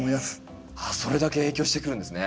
それだけ影響してくるんですね。